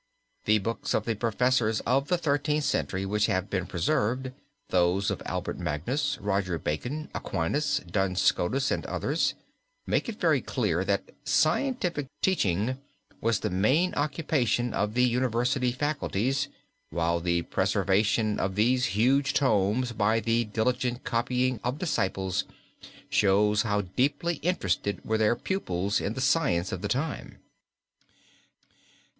The books of the professors of the Thirteenth Century which have been preserved, those of Albertus Magnus, Roger Bacon, Aquinas, Duns Scotus and others, make it very clear that scientific teaching was the main occupation of the university faculties, while the preservation of these huge tomes by the diligent copying of disciples shows how deeply interested were their pupils in the science of the time.